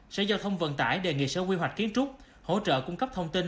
sở giao thông vận tải đề nghị sở quy hoạch kiến trúc hỗ trợ cung cấp thông tin